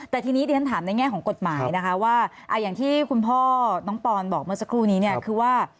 แต่ทีนี้เรียนถามในแง่ของกฎหมายนะคะว่าอย่างที่คุณพ่อน้องปอนบอกเมื่อสักครู่นี้เนี่ยคือว่า